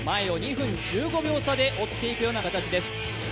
前を２分１５秒差で追っていくような形です。